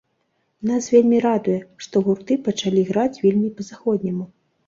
Нас вельмі радуе, што гурты пачалі граць вельмі па-заходняму.